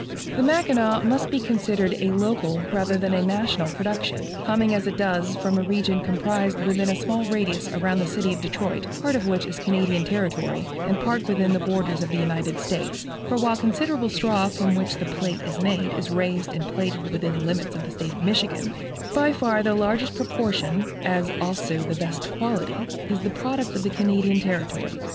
The Mackinaw must be considered a local rather than a national production, coming as it does from a region comprised within a small radius around the city of Detroit, part of which is Canadian territory and part within the borders of the United States; for while considerable straw from which the plait is made is raised and plaited within the limits of the State of Michigan, by far the largest proportion, as also the best quality, is the product of the Canadian territory.